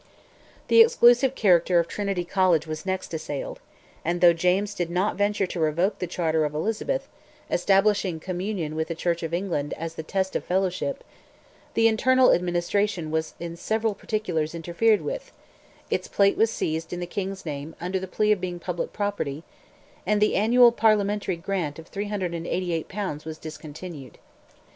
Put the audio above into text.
The exclusive character of Trinity College was next assailed, and though James did not venture to revoke the charter of Elizabeth, establishing communion with the Church of England as the test of fellowship, the internal administration was in several particulars interfered with, its plate was seized in the King's name under plea of being public property, and the annual parliamentary grant of 388 pounds was discontinued.